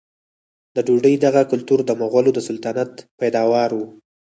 د ډوډۍ دغه کلتور د مغولو د سلطنت پیداوار و.